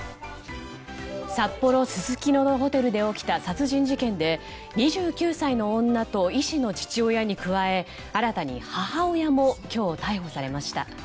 札幌・すすきののホテルで起きた殺人事件で２９歳の女と医師の父親に加え新たに母親も今日逮捕されました。